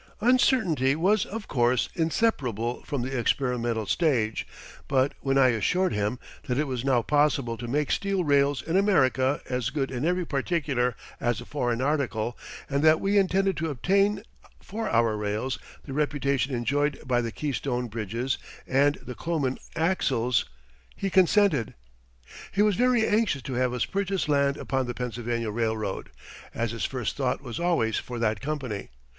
Uncertainty was, of course, inseparable from the experimental stage; but, when I assured him that it was now possible to make steel rails in America as good in every particular as the foreign article, and that we intended to obtain for our rails the reputation enjoyed by the Keystone bridges and the Kloman axles, he consented. He was very anxious to have us purchase land upon the Pennsylvania Railroad, as his first thought was always for that company.